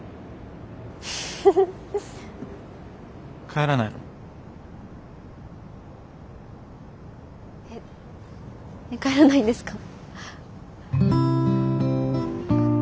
帰らないの？え帰らないんですか？